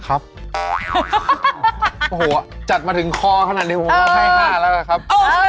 โอ้โหจัดมาถึงคอขนาดนี้ผมก็ให้๕แล้วนะครับ